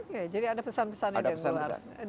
oke jadi ada pesan pesan itu yang keluar